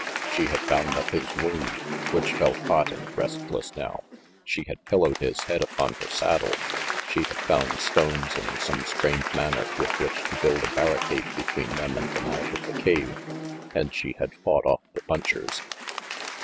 She had bound up his wound which felt hot and restless now; she had pillowed his head upon her saddle; she had found stones in some strange manner with which to build a barricade between them and the mouth of the cave, and she had fought off the punchers.